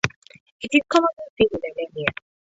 It is commonly seen in anemia.